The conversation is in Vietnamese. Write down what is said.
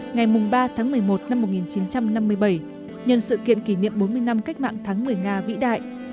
ngày ba tháng một mươi một năm một nghìn chín trăm năm mươi bảy nhân sự kiện kỷ niệm bốn mươi năm cách mạng tháng một mươi nga vĩ đại